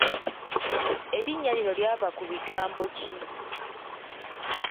Erinnya lino lyava ku bigambo ki?